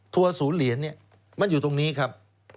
ทัวร์ศูนย์เหรียญมันอยู่ตรงนี้ครับ